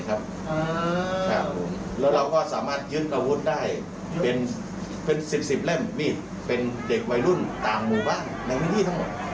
แล้วเราก็สามารถยึดอาวุธได้เป็น๑๐๑๐เล่มมีดเป็นเด็กวัยรุ่นต่างหมู่บ้านในพื้นที่ทั้งหมด